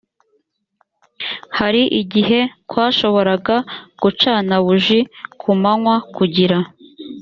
hari igihe twashoboraga gucana buji ku manywa kugira